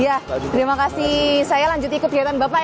ya terima kasih saya lanjut ikut kegiatan bapak ya